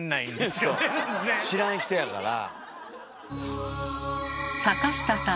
そう知らん人やから。